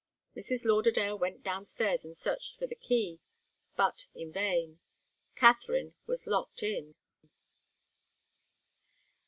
Mrs. Lauderdale went downstairs and searched for the key, but in vain. Katharine was locked in.